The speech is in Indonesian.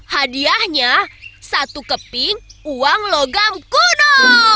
hadiahnya satu keping uang logam kuno